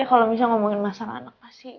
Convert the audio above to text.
ya kalau bisa ngomongin masalah anak kasih